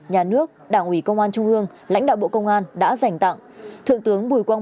nhà nước đảng ủy công an trung ương lãnh đạo bộ công an đã dành tặng thượng tướng bùi quang